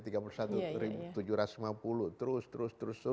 terus terus terus terus